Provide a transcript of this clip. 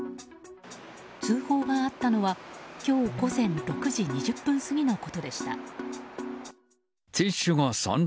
通報があったのは今日午前６時２０分過ぎのことでした。